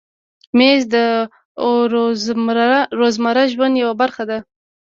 مېز د روزمره ژوند یوه برخه ده.